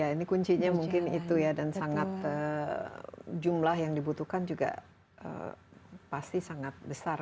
ini kuncinya mungkin itu ya dan sangat jumlah yang dibutuhkan juga pasti sangat besar